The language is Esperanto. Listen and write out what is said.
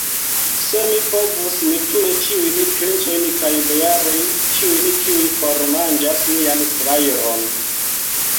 Se mi povus, mi tuj ĉiujn princojn kaj bojarojn, ĉiujn, kiuj formanĝas nian salajron.